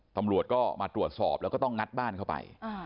ตำรวจก็มาตรวจสอบแล้วก็ต้องงัดบ้านเข้าไป